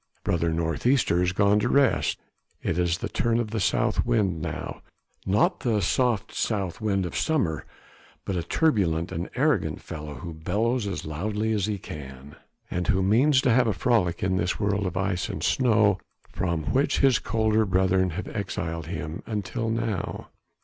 Brother north easter has gone to rest, it is the turn of the south wind now not the soft south wind of summer, but a turbulent and arrogant fellow who bellows as loudly as he can, and who means to have a frolic in this world of ice and snow from which his colder brethren have exiled him until now.